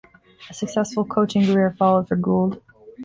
A successful coaching career followed for Gould.